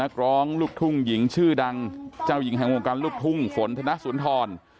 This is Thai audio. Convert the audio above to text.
ร้องลูกทุ่งหญิงชื่อดังเจ้าหญิงแห่งวงการลูกทุ่งฝนธนสุนทร